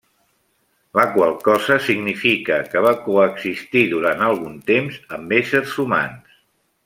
La qual cosa significa que va coexistir durant algun temps amb éssers humans.